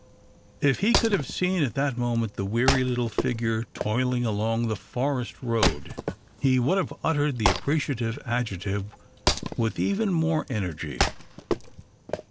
If he could have seen at that moment the weary little figure toiling along the forest road, he would have uttered the appreciative adjective with even more energy.